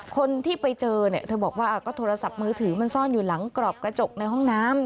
คนที่ไปเจอเนี่ยเธอบอกว่าก็โทรศัพท์มือถือมันซ่อนอยู่หลังกรอบกระจกในห้องน้ำ